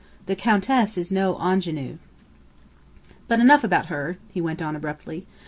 The Countess is no ingénue! "But enough about her," he went on, abruptly.